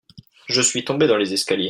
je suis tombé dans les escaliers.